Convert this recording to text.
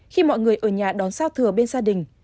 khi mọi người ở nhà đón giao thừa bên gia đình